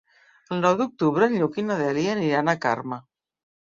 El nou d'octubre en Lluc i na Dèlia aniran a Carme.